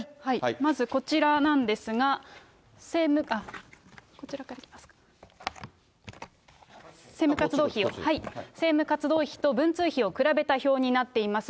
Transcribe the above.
まずこちらなんですが、政務活動費と文通費を比べた表になっています。